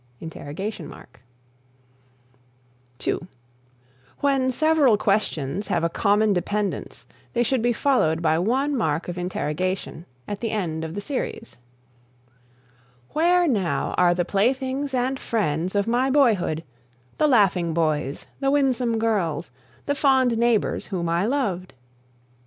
(2) When several questions have a common dependence they should be followed by one mark of interrogation at the end of the series: "Where now are the playthings and friends of my boyhood; the laughing boys; the winsome girls; the fond neighbors whom I loved?"